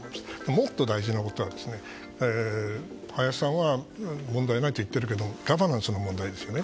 もっと大事なことは林さんは問題ないと言っていますがガバナンスの問題ですね。